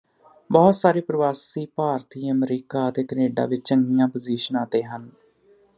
ਬਹੁਤ ਸਾਰੇ ਪ੍ਰਵਾਸੀ ਭਾਰਤੀ ਅਮਰੀਕਾ ਅਤੇ ਕੈਨੇਡਾ ਵਿਚ ਚੰਗੀਆਂ ਪੋਜੀਸ਼ਨਾਂ ਤੇ ਹਨ